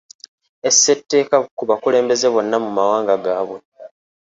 Essa etteeka ku bakulembeze bonna mu mawanga gaabwe.